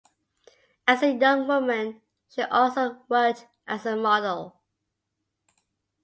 As a young woman, she also worked as a model.